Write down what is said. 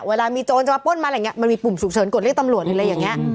เวลามีโจรจะมาป้นมาอะไรอย่างนี้มันมีปุ่มฉุกเฉินกดเรียกตำรวจหรืออะไรอย่างนี้